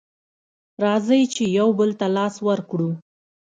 راځئ چې يو بل ته لاس ورکړو